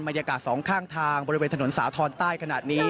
สองข้างทางบริเวณถนนสาธรณ์ใต้ขนาดนี้